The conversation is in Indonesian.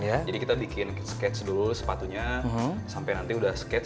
jadi kita bikin sketch dulu sepatunya sampai nanti sudah sketch